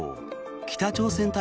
北朝鮮対